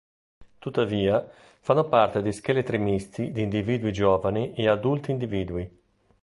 Tuttavia, fanno parte di scheletri misti di individui giovani e adulti individui.